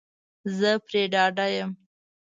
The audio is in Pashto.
زه پری ډاډه یم